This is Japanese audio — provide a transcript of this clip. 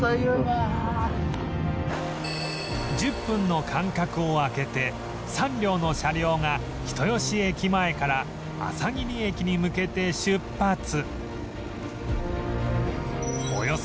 １０分の間隔を空けて３両の車両が人吉駅前からあさぎり駅に向けて出発